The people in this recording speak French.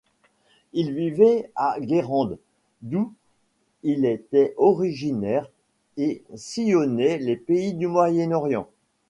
Il vivait à Guérande, d'où il était originaire, et sillonnait les pays du Moyen-Orient.